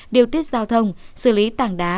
điều tiết giao thông xử lý tảng đá